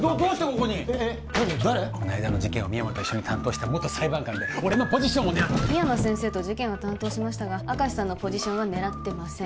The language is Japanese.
この間の事件を深山と一緒に担当した元裁判官で俺のポジションを狙ってる深山先生と事件は担当しましたが明石さんのポジションは狙ってません